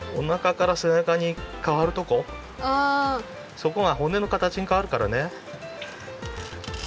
そこが骨のかたちかわるからね。